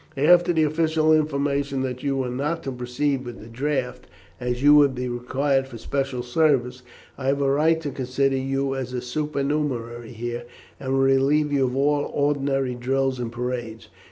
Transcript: "After the official information that you were not to proceed with the draft, as you would be required for special service, I have a right to consider you as a supernumerary here, and will relieve you of all ordinary drills and parades.